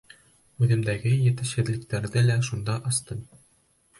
Үҙемдәге етешһеҙлектәрҙе лә шунда астым.